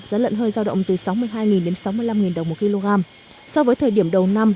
giá lợn hơi giao động từ sáu mươi hai đến sáu mươi năm đồng một kg so với thời điểm đầu năm